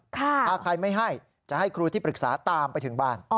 ถ้าใครไม่ให้จะให้ครูที่ปรึกษาตามไปถึงบ้าน